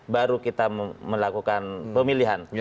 baru kita melakukan pemilihan